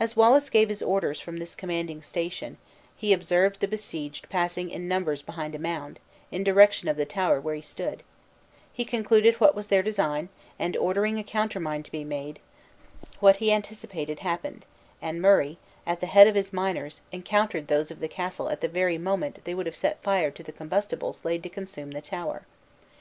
As Wallace gave his orders from this commanding station, he observed the besieged passing in numbers behind a mound, in the direction of the tower where he stood: he concluded what was their design; and ordering a countermine to be made, what he anticipated happened; and Murray, at the head of his miners, encountered those of the castle at the very moment they would have set fire to the combustibles laid to consume the tower.